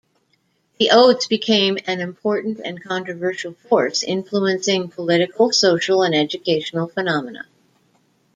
"The Odes" became an important and controversial force, influencing political, social and educational phenomena.